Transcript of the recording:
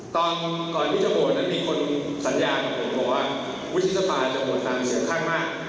สัญญากับผมว่าวิชิษภาพจะหมดฝั่งเสี่ยงข้างมาก